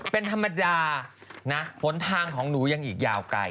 เป็นธรรมดานะผลทางของหนูยังอีกยาวไกล